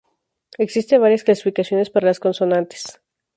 Existen varias clasificaciones para las consonantes.